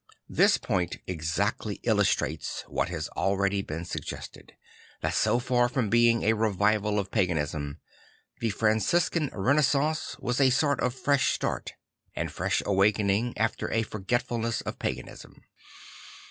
This point exactly illustrates what has already been suggested; that, so far from being a revival of paganism, the Franciscan renascence was a sort of fresh start and first a\vakening after a forget fulness of paganism.